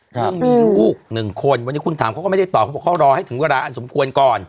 ซึ่งมีลูกหนึ่งคนวันนี้คุณถามเขาก็ไม่ได้ตอบเขาบอกเขารอให้ถึงเวลาอันสมควรก่อน